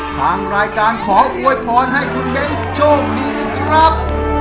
ทางรายการขออวยพรให้คุณเบนส์โชคดีครับ